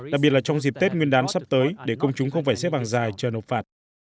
đặc biệt là trong dịp tết nguyên đán sắp tới để công chúng không phải xếp hàng dài chờ nộp phạt